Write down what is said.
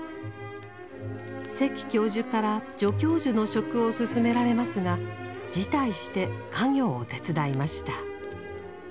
関教授から助教授の職をすすめられますが辞退して家業を手伝いました。